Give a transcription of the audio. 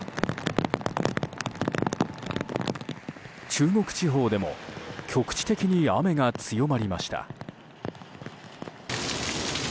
中国地方でも局地的に雨が強まりました。